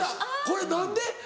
これ何で？